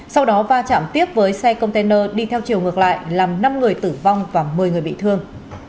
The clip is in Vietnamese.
sau đó va chạm tiếp với xe container đi theo chiều ngược lại làm năm người tử vong và một mươi người bị thương